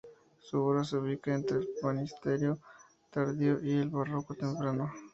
Su obra se ubica entre el manierismo tardío y el barroco temprano.